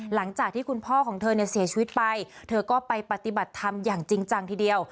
หลังจากที่คุณพ่อของเธอเนี่ยเสียชีวิตไปเธอก็ไปปฏิบัติธรรมอย่างจริงจังทีเดียว